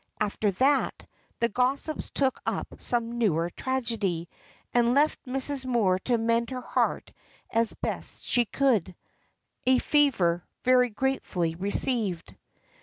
After that, the gossips took up some newer tragedy, and left Mrs. Moor to mend her heart as best she could, a favor very gratefully received.